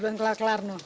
belum kelar kelar nuh